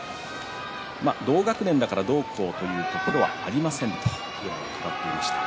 同学年だからどうこうというところはありませんと語っていました。